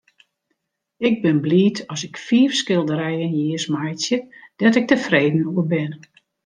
Ik bin bliid as ik fiif skilderijen jiers meitsje dêr't ik tefreden oer bin.